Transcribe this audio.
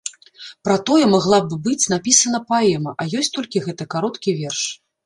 Пра тое магла б быць напісана паэма, а ёсць толькі гэты кароткі верш.